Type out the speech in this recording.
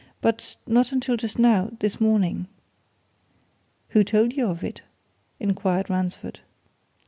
"But not until just now this morning." "Who told you of it?" inquired Ransford.